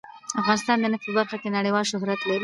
افغانستان د نفت په برخه کې نړیوال شهرت لري.